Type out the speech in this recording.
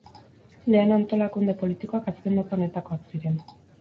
Lehen antolakunde politikoak azken mota honetakoak ziren.